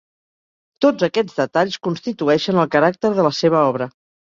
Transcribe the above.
Tots aquests detalls constitueixen el caràcter de la seva obra.